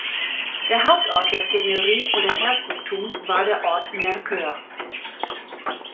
Der Hauptort der Seigneurie und des Herzogtums war der Ort Mercœur.